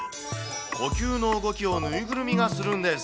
呼吸の動きを縫いぐるみがするんです。